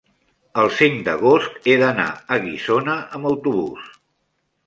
el cinc d'agost he d'anar a Guissona amb autobús.